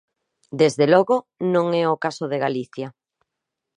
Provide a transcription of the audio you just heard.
Desde logo, non é o caso de Galicia.